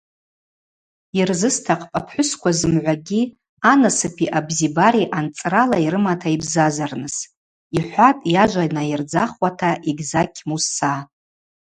Йырзыстахъпӏ апхӏвысква зымгӏвагьи анасыпи абзибари анцӏрала йрымата йбзазарныс! – йхӏватӏ йажва найырдзахуата Эгьзакь Мусса.